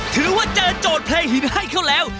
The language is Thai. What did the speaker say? ถือว่าเจอโจทย์เพลงหินให้เขาแล้ว